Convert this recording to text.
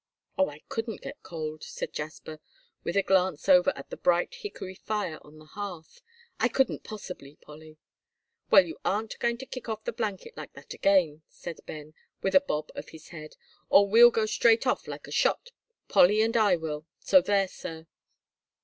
"Oh, I couldn't get cold," said Jasper, with a glance over at the bright hickory fire on the hearth, "I couldn't possibly, Polly." "Well, you aren't going to kick off the blanket like that again," said Ben, with a bob of his head, "or we'll go straight off like a shot, Polly and I will, so there, sir!"